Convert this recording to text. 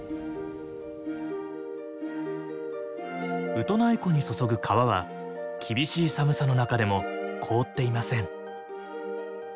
ウトナイ湖に注ぐ川は厳しい寒さの中でも凍っていません。